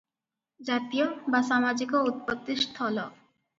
ଜାତୀୟ ବା ସାମାଜିକ ଉତ୍ପତ୍ତିସ୍ଥଳ ।